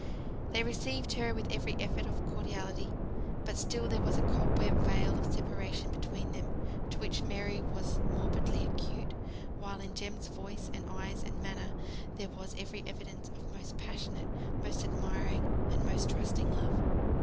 They received her with every effort of cordiality; but still there was a cobweb veil of separation between them, to which Mary was morbidly acute; while in Jem's voice, and eyes, and manner, there was every evidence of most passionate, most admiring, and most trusting love.